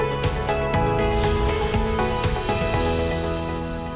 assalamualaikum wr wb